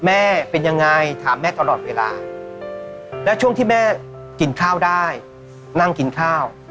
แม่เป็นยังไงถามแม่ตลอดเวลาแล้วช่วงที่แม่กินข้าวได้นั่งกินข้าว